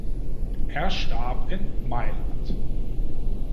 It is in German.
Er starb in Mailand.